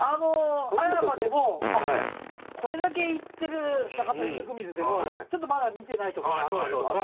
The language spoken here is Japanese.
葉山でもこれだけ行ってる『タカトシ・温水』でもちょっとまだ見てない所があったりとか。